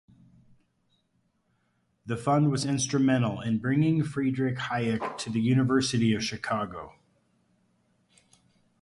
The Fund was instrumental in bringing Friedrich Hayek to the University of Chicago.